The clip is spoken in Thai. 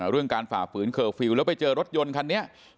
การฝ่าฝืนเคอร์ฟิลล์แล้วไปเจอรถยนต์คันนี้